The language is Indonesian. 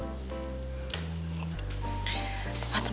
masih ada yang mau ngambil